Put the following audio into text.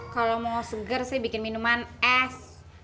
kalau mau seger saya bikin minuman es